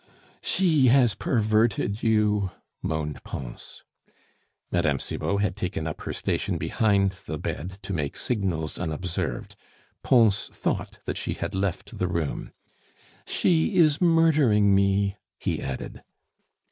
"She has perverted you," moaned Pons. Mme. Cibot had taken up her station behind the bed to make signals unobserved. Pons thought that she had left the room. "She is murdering me," he added.